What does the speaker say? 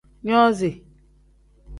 Nozi.